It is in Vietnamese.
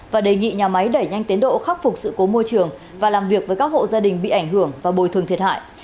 và đề nghị nhà máy đẩy nhanh tiến độ khắc phục sự cố môi trường và làm việc với các hộ gia đình bị ảnh hưởng và bồi thường thiệt hại